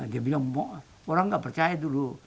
dia bilang orang nggak percaya dulu